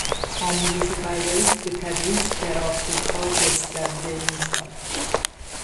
آموزش و پرورش به تدریج در افریقا گسترده میشود.